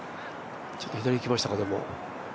ちょっと左行きましたか。